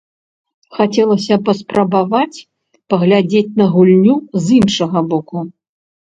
Хацелася паспрабаваць паглядзець на гульню з іншага боку.